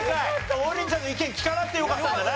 王林ちゃんの意見聞かなくてよかったんだよな。